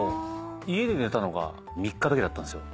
家で寝たのが３日だけだったんですよ。